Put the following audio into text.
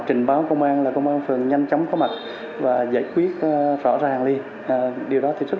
công an báo công an là công an phường nhanh chóng có mặt và giải quyết rõ ràng liền điều đó thì rất